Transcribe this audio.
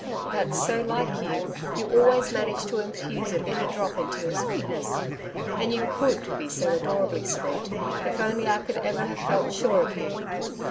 'That's so like you. You always managed to infuse a bitter drop into your sweetness. And you COULD be so adorably sweet... If only I could ever have felt sure of you.'